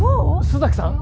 須崎さん？